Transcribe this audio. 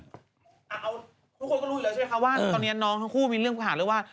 ทุกคนก็รู้อยู่แล้วใช่ไหมคะว่าตอนนี้น้องทั้งคู่มีเรื่องหาเรื่องว่า